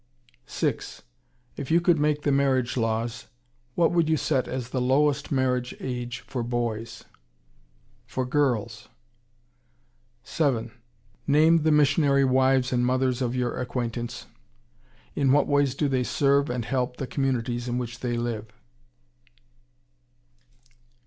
6. If you could make marriage laws, what would you set as the lowest marriage age for boys? For girls? 7. Name the missionary wives and mothers of your acquaintance. In what ways do they serve and help the communities in which they live?